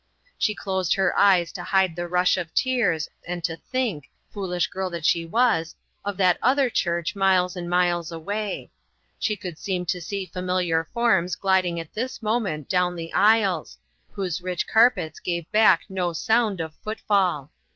She closed her eyes to hide the rush of tears, and to think, foolish girl that she was, of that other church miles and miles away. She could seem to see familiar forms gliding at this moment down the aisles, whose rich carpets gave back no sound of footfall.